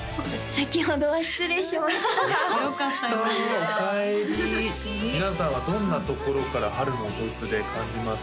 先ほどは失礼しましたよかったよかったおかえり皆さんはどんなところから春の訪れ感じますか？